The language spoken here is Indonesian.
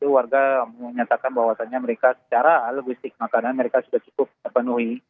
warga menyatakan bahwasannya mereka secara logistik makanan mereka sudah cukup terpenuhi